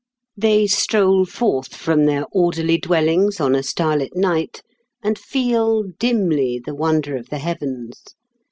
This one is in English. They stroll forth from their orderly dwellings on a starlit night, and feel dimly the wonder of the heavens.